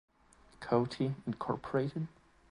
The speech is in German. Coty, Inc.